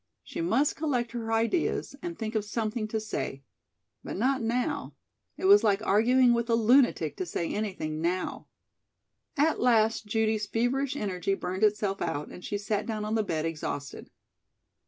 She must collect her ideas, and think of something to say. But not now. It was like arguing with a lunatic to say anything now. At last Judy's feverish energy burned itself out and she sat down on the bed exhausted.